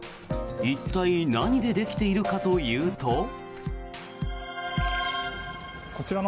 一体何でできているかというと。